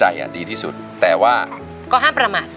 อย่าประมาท